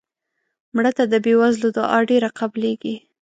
مړه ته د بې وزلو دعا ډېره قبلیږي